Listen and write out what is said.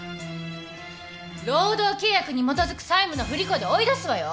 労働契約に基づく債務の不履行で追い出すわよ。